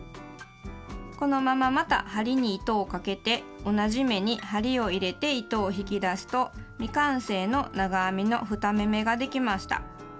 このまままた針に糸をかけて同じ目に針を入れて糸を引き出すと未完成の長編みの２目めができました。